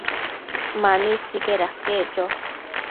Mani sicaid aquec cho